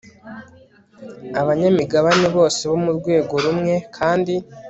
abanyamigabane bose bo mu rwego rumwe kandi